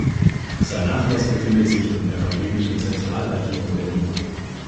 Sein Nachlass befindet sich im Evangelischen Zentralarchiv in Berlin.